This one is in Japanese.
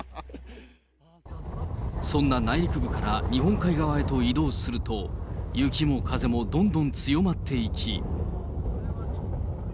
そんな内陸部から日本海側へと移動すると、雪も風もどんどん強まっていき。